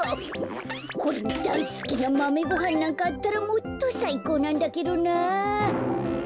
これにだいすきなマメごはんなんかあったらもっとさいこうなんだけどな。